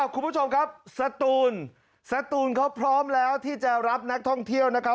คุณผู้ชมครับสตูนสตูนเขาพร้อมแล้วที่จะรับนักท่องเที่ยวนะครับ